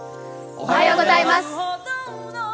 おはようございます。